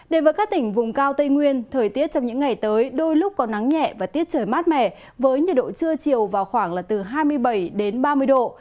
đến với các tỉnh vùng cao tây nguyên thời tiết trong những ngày tới đôi lúc có nắng nhẹ và tiết trời mát mẻ với nhiệt độ trưa chiều vào khoảng là từ hai mươi bảy đến ba mươi độ